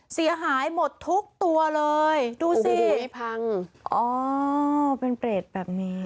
เสียหายหมดทุกตัวเลยดูสิพังอ๋อเป็นเปรตแบบนี้